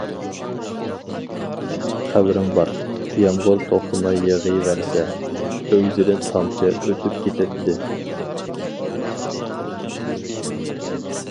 خەۋىرىڭ بار، يامغۇر توختىماي يېغىۋەرسە، ئۆگزىدىن تامچە ئۆتۈپ كېتەتتى.